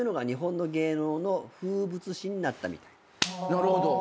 なるほど。